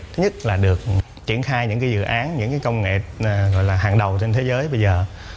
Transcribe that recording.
thứ nhất là được triển khai những dự án những công nghệ hàng đầu trên thế giới bây giờ